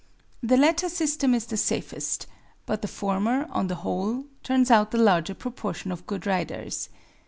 The latter system is the safest; but the former, on the whole, turns out the larger proportion of good riders.